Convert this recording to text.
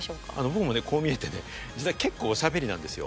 僕もねこう見えて実は結構おしゃべりなんですよ。